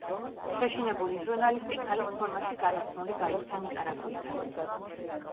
შეშინებული ჟურნალისტი ქალის ფორმაში გადაცმული გაიქცა ნიკარაგუიდან.